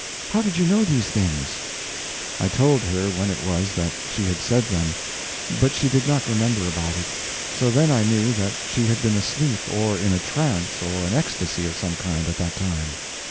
How did you know these things?" I told her when it was that she had said them. But she did not remember about it. So then I knew that she had been asleep, or in a trance or an ecstasy of some kind, at that time.